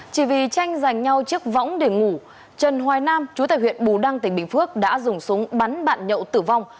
chỉ vì tranh giành nhau chiếc võng để ngủ trần hoài nam chú tại huyện bù đăng tỉnh bình phước đã dùng súng bắn bạn nhậu tử vong